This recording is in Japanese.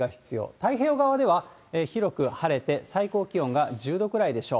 太平洋側では広く晴れて、最高気温が１０度ぐらいでしょう。